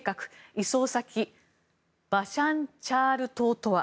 移送先バシャンチャール島とは。